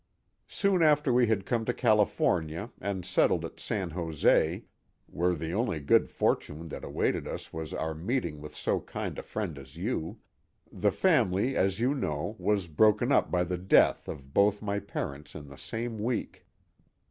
Soon after we had come to California, and settled at San Jose (where the only good fortune that awaited us was our meeting with so kind a friend as you) the family, as you know, was broken up by the death of both my parents in the same week.